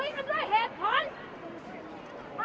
ต้องใจร่วม